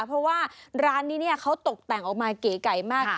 เพราะว่าร้านนี้เนี่ยเขาตกแต่งออกมาเก๋ไก่มาก